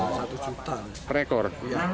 iya rp satu juta per ekor